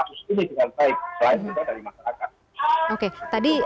selain kita dari masyarakat